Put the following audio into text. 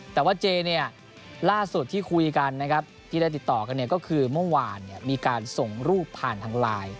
แต่ว่าเจเนี่ยล่าสุดที่คุยกันนะครับที่ได้ติดต่อกันเนี่ยก็คือเมื่อวานมีการส่งรูปผ่านทางไลน์